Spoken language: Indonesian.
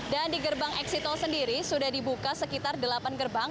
dan di gerbang eksit tol sendiri sudah dibuka sekitar delapan gerbang